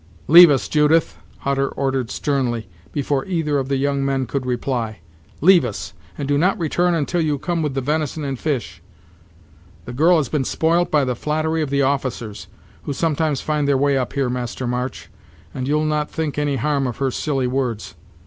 "Leave us, Judith," Hutter ordered sternly, before either of the young men could reply; "leave us; and do not return until you come with the venison and fish. The girl has been spoilt by the flattery of the officers, who sometimes find their way up here, Master March, and you'll not think any harm of her silly words."